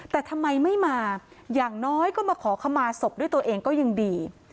แต่ทำไมไม่มาอย่างน้อยก็มาขอขมาศพด้วยตัวเองก็ยังดี